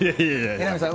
榎並さん